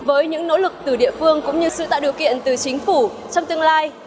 với những nỗ lực từ địa phương cũng như sự tạo điều kiện từ chính phủ trong tương lai